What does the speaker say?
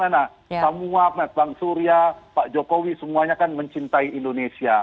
nah semua bang surya pak jokowi semuanya kan mencintai indonesia